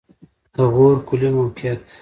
د غور کلی موقعیت